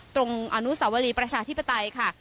ตรงอนุสาวรีประชาธิปไตยค่ะ